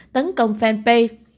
tấn công fanpage